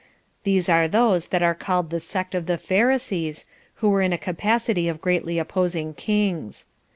These are those that are called the sect of the Pharisees, who were in a capacity of greatly opposing kings.